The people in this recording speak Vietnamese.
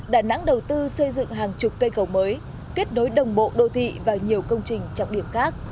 đà nẵng đầu tư xây dựng hàng chục cây cầu mới kết nối đồng bộ đô thị và nhiều công trình trọng điểm khác